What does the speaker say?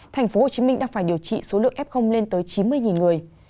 tp hcm đang phải điều trị số lượng f lên tới chín mươi người